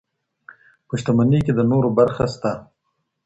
په شتمنۍ کي د نورو برخه سته.